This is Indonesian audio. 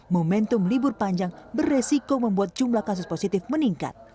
momentum libur panjang beresiko membuat jumlah kasus positif meningkat